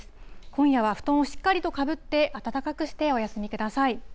今夜は布団をしっかりとかぶって、暖かくしてお休みください。